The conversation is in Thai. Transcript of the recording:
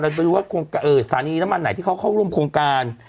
ไปดูว่าสถานีน้ำมันไหนที่เขาเข้าร่วมโครงการ